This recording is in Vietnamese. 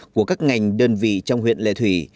của các ngành đơn vị trong huyện lệ thủy